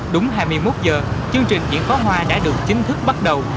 đúng hai mươi một giờ chương trình diễn pháo hoa đã được chính thức bắt đầu